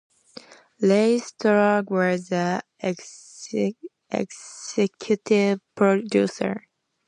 Ray Stark was the Executive Producer.